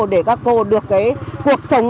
để các cô được cái cuộc sống